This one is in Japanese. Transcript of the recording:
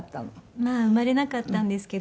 まあ生まれなかったんですけど。